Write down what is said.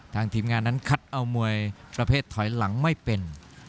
ทีมงานนั้นคัดเอามวยประเภทถอยหลังไม่เป็น